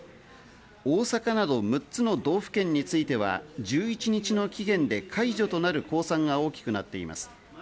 大阪など６つの道府県については、１１日の期限で解除となる公算が大きくなっています。